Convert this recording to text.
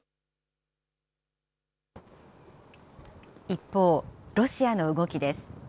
一方、ロシアの動きです。